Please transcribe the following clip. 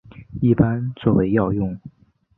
一般作为药用。